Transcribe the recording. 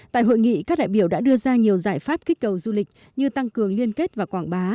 tại hội nghị các đại biểu đã đưa ra nhiều giải pháp kích cầu du lịch như tăng cường liên kết và quảng bá